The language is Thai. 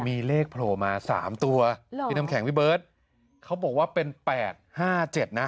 มีเลขโผล่มาสามตัวพี่น้ำแข็งพี่เบิร์ตเขาบอกว่าเป็นแปดห้าเจ็ดนะ